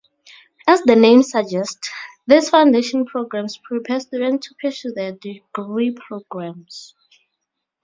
As the names suggest, these foundation programmes prepare students to pursue their degree programmes.